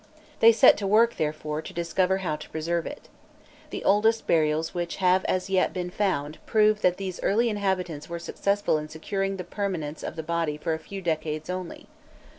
They set to work, therefore, to discover how to preserve it. The oldest burials which have as yet been found prove that these early inhabitants were successful in securing the permanence of the body for a few decades only.